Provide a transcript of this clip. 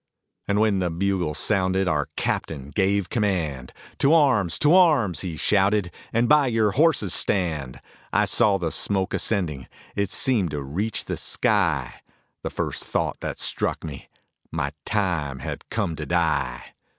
And when the bugle sounded our captain gave command, "To arms, to arms," he shouted, "and by your horses stand." I saw the smoke ascending, it seemed to reach the sky; The first thought that struck me, my time had come to die.